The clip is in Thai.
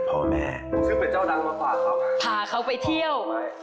พาเขาไปเที่ยว